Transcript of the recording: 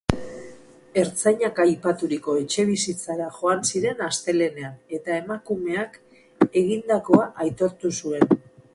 Ertzainak aipaturiko etxebizitzara joan ziren astelehenean, eta emakumeak egindakoa aitortu zuen.